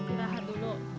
kita beristirahat dulu